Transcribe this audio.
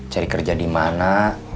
cari kerja di mana